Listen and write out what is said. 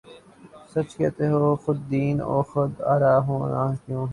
سچ کہتے ہو خودبین و خود آرا ہوں نہ کیوں ہوں